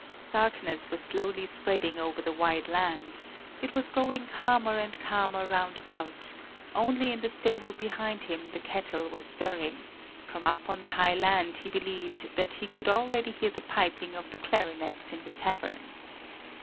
Darkness was slowly spreading over the wide land; it was growing calmer and calmer round about, only in the stable behind him the cattle were stirring; from up on the high land he believed that he could already hear the piping of the clarinets in the tavern.